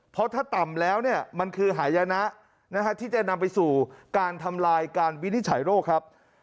เพราะถ้าต่ำแล้วเนี่ยมันคือหายนะที่จะนำไปสู่การทำลายการวินิจฉัยโรคครับ